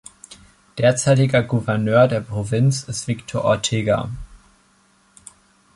Derzeitiger Gouverneur der Provinz ist Victor Ortega.